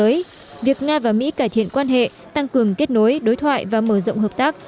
đối với thế giới việc nga và mỹ cải thiện quan hệ tăng cường kết nối đối thoại và mở rộng hợp tác